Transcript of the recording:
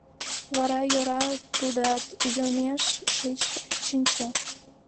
Вара йӧра тудат — йомеш ший чинче.